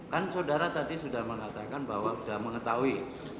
kan saudara tadi sudah mengatakan bahwa sudah mengetahui